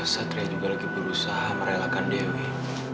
satria juga lagi berusaha merelakan dewi